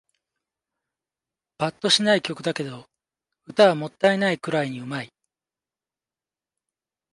ぱっとしない曲だけど、歌はもったいないくらいに上手い